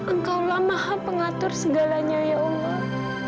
engkaulah maha pengatur segalanya ya allah